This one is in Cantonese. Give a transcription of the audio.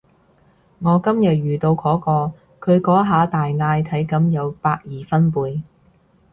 我今日遇到嗰個，佢嗰下大嗌體感有百二分貝